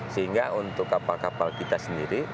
sehingga untuk kapal kapal kita sendiri